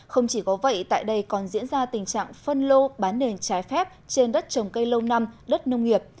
không chỉ có vậy tại đây còn diễn ra tình trạng phân lô bán nền trái phép trên đất trồng cây lâu năm đất nông nghiệp